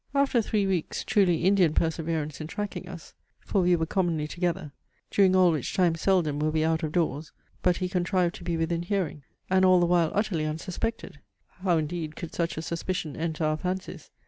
After three weeks' truly Indian perseverance in tracking us, (for we were commonly together,) during all which time seldom were we out of doors, but he contrived to be within hearing, (and all the while utterly unsuspected; how indeed could such a suspicion enter our fancies?)